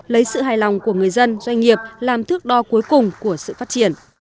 lấy sự hài lòng của người dân doanh nghiệp làm thước đo cuối cùng của sự phát triển